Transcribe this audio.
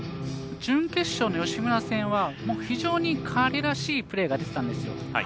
準決勝の吉村戦は非常に彼らしいプレーが出てたんですよ。